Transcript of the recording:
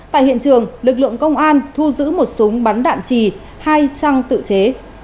tại hiện trường lực lượng công an thu giữ một súng bắn đạn trì hai trang tự chế